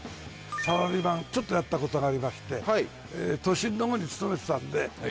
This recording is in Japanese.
サラリーマンちょっとやったことがありまして都心の方に勤めてたんでそのときにもう